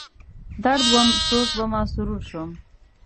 درد وم، سوز ومه، سرور شوم